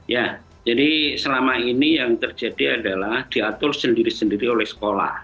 ya jadi selama ini yang terjadi adalah diatur sendiri sendiri oleh sekolah